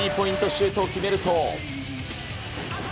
シュートを決めると。